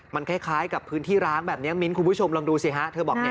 มันคล้ายกับพื้นที่ร้างแบบนี้มิ้นคุณผู้ชมลองดูสิฮะเธอบอกเนี่ย